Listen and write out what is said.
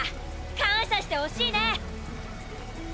感謝してほしいね！